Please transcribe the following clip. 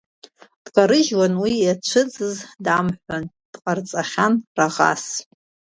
Дкарыжьхьан уи иацызны дамҳәан, дҟарҵахьан раӷас.